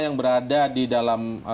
yang berada di dalam